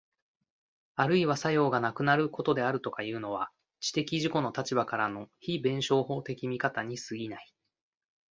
あるいは作用がなくなることであるとかいうのは、知的自己の立場からの非弁証法的見方に過ぎない。